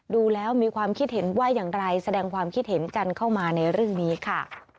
ดูแล้วมีความคิดเห็นว่าอย่างไรแสดงความคิดเห็นกันเข้ามาในเรื่องนี้ค่ะ